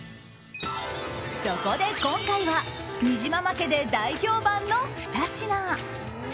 そこで今回は、にじまま家で大評判のふた品。